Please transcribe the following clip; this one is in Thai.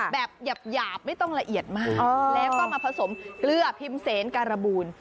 แบบหยาบไม่ต้องละเอียดมากแล้วก็มาผสมเกลือพิมพ์เซนการบูล